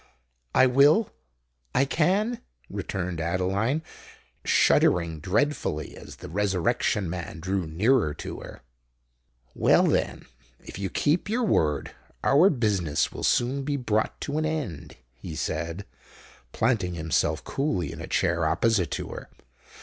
"I will—I can," returned Adeline, shuddering dreadfully as the Resurrection Man drew nearer to her. "Well, then—if you keep your word, our business will soon be brought to an end," he said, planting himself coolly in a chair opposite to her.